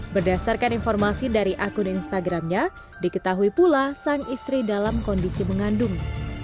berdasarkan informasi dari akun instagramnya diketahui pula sang istri dalam kondisi mengandung